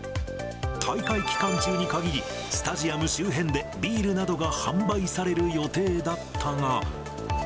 大会期間中に限り、スタジアム周辺で、ビールなどが販売される予定だったが。